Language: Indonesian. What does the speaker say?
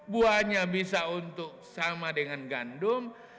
buahnya bisa untuk sama dengan gandum